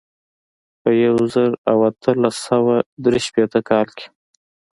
په یو زر او اتلس سوه درې شپېته کال کې.